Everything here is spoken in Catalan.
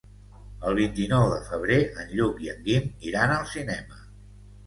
El vint-i-nou de febrer en Lluc i en Guim iran al cinema.